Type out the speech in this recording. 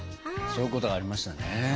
そういうことがありましたね。